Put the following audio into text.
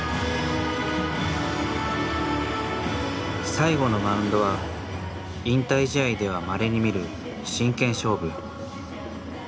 最後のマウンドは引退試合ではまれに見る真剣勝負。